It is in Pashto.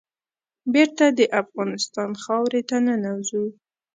بېرته د افغانستان خاورې ته ننوزو.